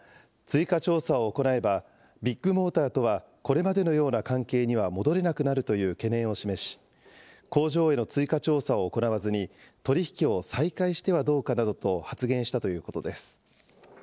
白川社長は、追加調査を行えば、ビッグモーターとは、これまでのような関係には戻れなくなるという懸念を示し、工場への追加調査を行わずに、取り引きを再開してはどうかなどと、発言したということです。